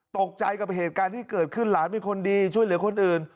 ตกใจกับเหตุการณ์ที่เกิดขึ้นหลานเป็นคนดีช่วยเหลือคนอื่น